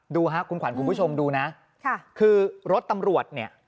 ดูฮะคุณขวัญคุณผู้ชมดูนะคือรถตำรวจเนี่ย